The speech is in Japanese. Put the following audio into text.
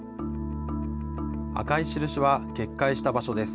赤い印は決壊した場所です。